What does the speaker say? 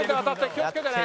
気をつけてね。